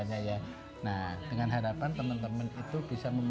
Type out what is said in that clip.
nah dengan harapan teman teman itu bisa